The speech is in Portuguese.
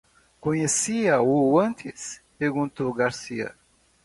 Conhecia-o antes? perguntou Garcia.